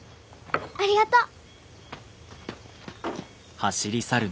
ありがとう！